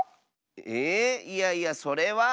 えいえいやそれは。